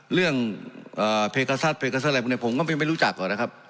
เรื่องเพรกษัตริย์ผมก็ไม่รู้จักหรอกนะครับ